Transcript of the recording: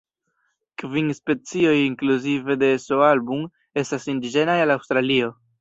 Kvin specioj, inkluzive de "S. album", estas indiĝenaj al Aŭstralio.